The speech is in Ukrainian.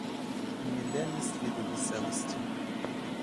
Ніде ні сліду веселості.